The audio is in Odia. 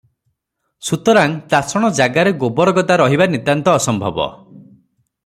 ସୁତରାଂ ତାସଣ ଜାଗାରେ ଗୋବରଗଦା ରହିବା ନିତାନ୍ତ ଅସମ୍ଭବ ।